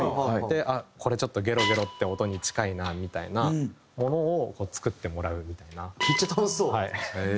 これちょっとゲロゲロって音に近いなみたいなものを作ってもらうみたいな。